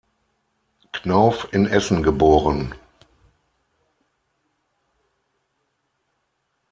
Knauf in Essen geboren.